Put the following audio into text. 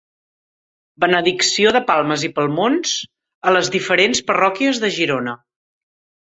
Benedicció de palmes i palmons a les diferents parròquies de Girona.